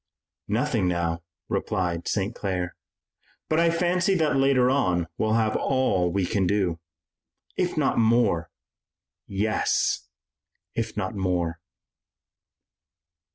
"Nothing now," replied St. Clair, "but I fancy that later on we'll have all we can do." "If not more." "Yes, if not more."